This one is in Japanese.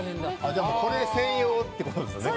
でもこれ専用ってことですよね